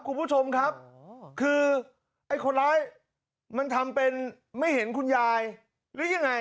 คุณผู้ชมครับคือไอ้คนร้ายมันทำเป็นไม่เห็นคุณยายหรือยังไง